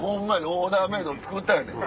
オーダーメード作ったらええねん。